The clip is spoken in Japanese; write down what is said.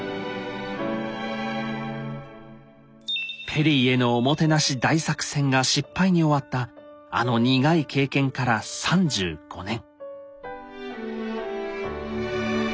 ペリーへのおもてなし大作戦が失敗に終わったあの苦い経験から３５年。